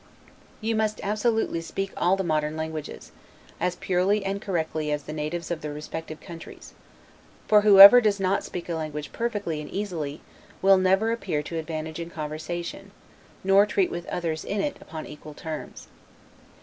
You must absolutely speak all the modern Languages, as purely and correctly as the natives of the respective countries: for whoever does not speak a language perfectly and easily, will never appear to advantage in conversation, nor treat with others in it upon equal terms.